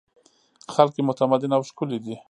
خلک یې متمدن او ښکلي دي.